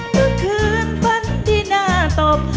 เมื่อคืนฝันที่หน้าตบ